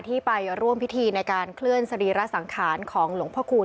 ที่ไปร่วมพิธีในการเคลื่อนสรีระสังขารของหลวงพระคูณ